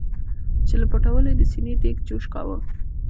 چې له پټولو یې د سینې دیګ جوش کاوه.